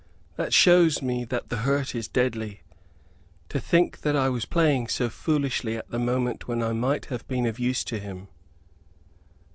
That shows me that the hurt is deadly. To think that I was playing so foolishly at the moment when I might have been of use to him!"